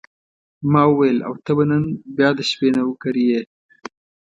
ما وویل: او ته به نن بیا د شپې نوکري یې.